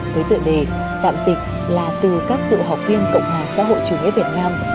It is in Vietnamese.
với tựa đề tạm dịch là từ các cựu học viên cộng hòa xã hội chủ nghĩa việt nam